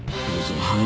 はい。